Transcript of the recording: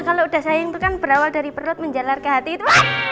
kalau udah sayang itu kan berawal dari perut menjalar ke hati itu